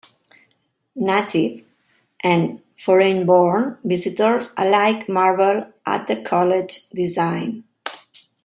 Native- and foreign-born visitors alike marveled at the College's design.